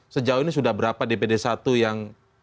sejauh ini sudah berapa dpd satu yang